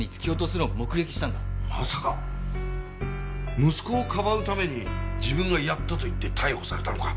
まさか息子をかばうために自分がやったと言って逮捕されたのか。